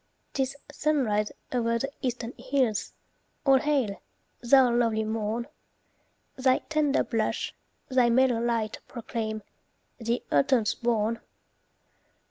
'Tis sunrise o'er the eastern hills. All hail! thou lovely morn! Thy tender blush, thy mellow light Proclaim "The autumn's born."